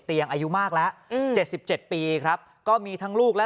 เตียงอายุมากแล้วอืมเจ็ดสิบเจ็ดปีครับก็มีทั้งลูกและ